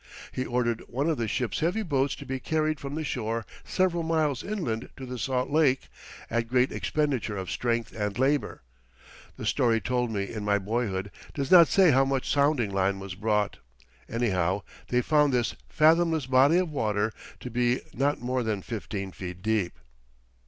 He ordered one of the ship's heavy boats to be carried from the shore several miles inland to the salt lake, at great expenditure of strength and labor. The story told me in my boyhood does not say how much sounding line was brought. Anyhow, they found this "fathomless" body of water to be not more than fifteen feet deep.